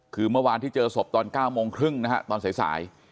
คือเมื่อวานที่เจอศพตอน๙โมงครึ่งนะฮะตอนสาย